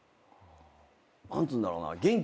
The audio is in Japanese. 何つうんだろうな。